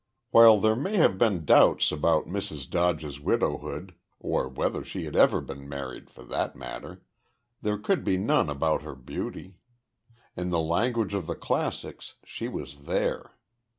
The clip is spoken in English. While there may have been doubts about Mrs. Dodge's widowhood or whether she had ever been married, for that matter there could be none about her beauty. In the language of the classics, she was there.